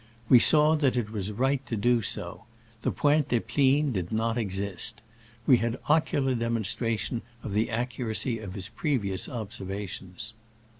We saw that it was right to do so. The Pointe des Plines did not exist. We had ocular demonstration of the accuracy of his previous observations.